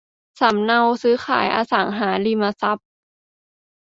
สำเนาซื้อขายอสังหาริมทรัพย์